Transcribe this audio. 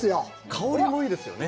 香りもいいですよね